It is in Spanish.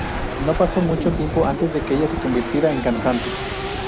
No pasó mucho tiempo antes de que ella se convirtiera en cantante.